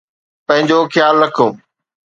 پنهنجو خيال رکو